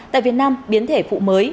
tại việt nam biến thể phụ mới